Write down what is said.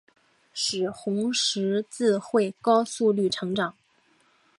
使红十字会高速率成长。